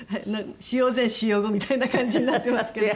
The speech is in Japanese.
使用前使用後みたいな感じになってますけどはい。